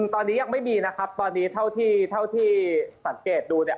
ตอนนี้ยังไม่มีนะครับตอนนี้เท่าที่สังเกตดูเนี่ย